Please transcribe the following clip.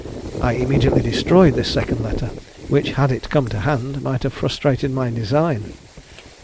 I immediately destroyed this second letter, which, had it come to hand, might have frustrated my design.